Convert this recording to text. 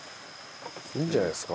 いいんじゃないですか？